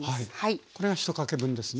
これが１かけ分ですね。